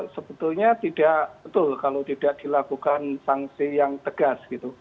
sebetulnya tidak betul kalau tidak dilakukan sangsi yang tegas